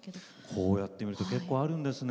こうやって見ると結構あるんですね。